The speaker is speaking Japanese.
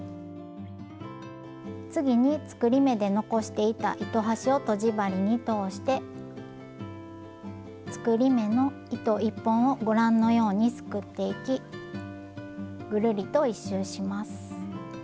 次に作り目で残していた糸端をとじ針に通して作り目の糸１本をご覧のようにすくっていきぐるりと１周します。